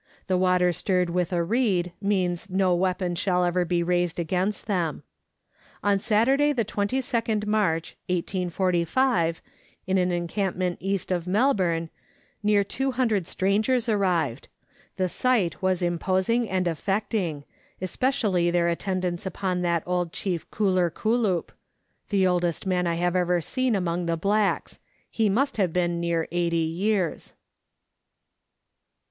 The water stirred with a reed means that no weapon shall ever be raised against them. On Saturday, the 22nd March 1845, at an encampment east of Melbourne, near 200 strangers arrived. The sight was. imposing and affecting, especially their attendance upon that old chief Kuller Kullup, the oldest man I have ever seen among the blacks ; he must have been near 80 years.